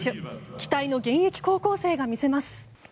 期待の現役高校生が見せます。